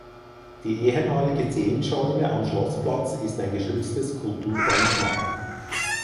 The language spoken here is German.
Die ehemalige Zehntscheune am Schlossplatz ist ein geschütztes Kulturdenkmal.